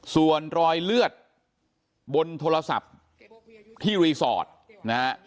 ส่วนรอยเลือดบนโทรศัพท์ที่รีสอร์ทนะฮะ